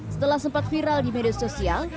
setelah sempat viral di media sosial